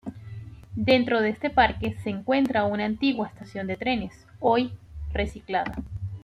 Dentro de este parque se encuentra una antigua estación de trenes, hoy reciclada.